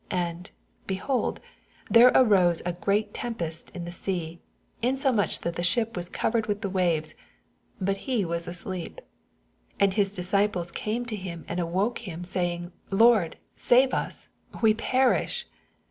24 And, behold, there aroee a great tempest in the sea, insomuch that the ship was ooveied with the waves: but he was asleep. 25 And his disciples came to Mm, and awoke him, saying, Lord, save us : we perish.